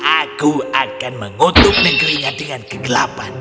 aku akan mengutuk negerinya dengan kegelapan